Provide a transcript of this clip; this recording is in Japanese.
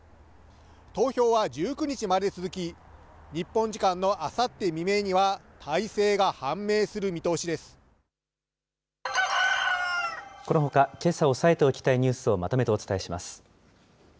投票は１９日まで続き、日本時間のあさって未明には、このほかけさ押さえておきたいニュースをまとめてお伝えします。